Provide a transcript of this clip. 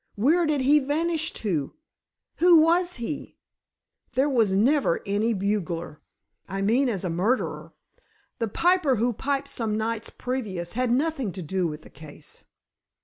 Where did he vanish to? Who was he? There never was any bugler—I mean as a murderer. The piper who piped some nights previous had nothing to do with the case!"